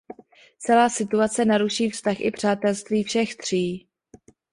Celá situace naruší vztah i přátelství všech tří.